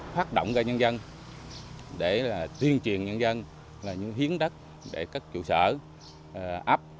phát động ra nhân dân để tuyên truyền nhân dân những hiến đất để các trụ sở áp